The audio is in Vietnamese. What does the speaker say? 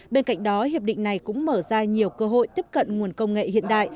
bên cạnh đó hiệp định này cũng mở ra nhiều cơ hội tiếp cận nguồn công nghệ hiện đại